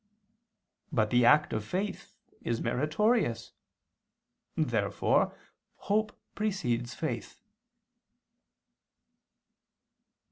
But the act of faith is meritorious. Therefore hope precedes faith.